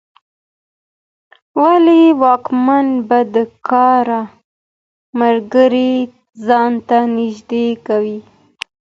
ولي واکمن بدکاره ملګري ځان ته نږدې کوي؟